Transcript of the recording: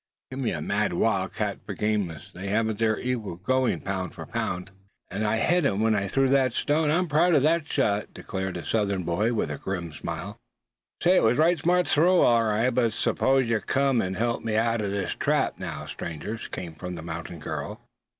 Give me a mad wildcat for gameness. They haven't their equal going, pound for pound." "And I hit him when I threw that stone; I'm proud of that shot, suh!" declared the Southern boy, with a grim smile. "Say, it was a right smart throw, all right; but s'pose yuh come and help me outen this trap now, strangers," came from the mountain girl.